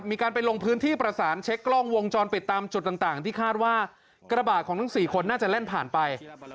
มีการไปลงพื้นที่ประสานเช็คกล้องวงจรปิดตามจุดต่างที่คาดว่ากระบาดของทั้ง๔คนน่าจะแล่นผ่านไป